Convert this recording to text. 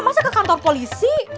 masa ke kantor polisi